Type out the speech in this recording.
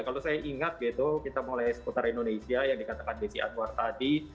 kalau saya ingat gitu kita mulai seputar indonesia yang dikatakan desi anwar tadi